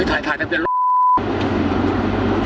เฮ้ยถ่ายทะเบียนรถ